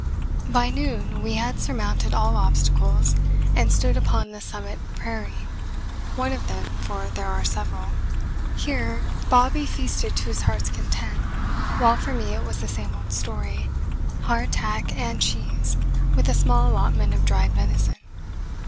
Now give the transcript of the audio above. By noon we had surmounted all obstacles and stood upon the summit prairie one of them, for there are several. Here Bobby feasted to his heart's content, while for me it was the same old story hardtack and cheese, with a small allotment of dried venison.